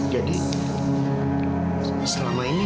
jadi selama ini